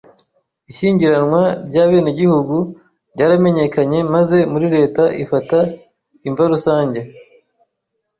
ishyingiranwa ry’abenegihugu ryaramenyekanye maze muri leta ifata imva rusange .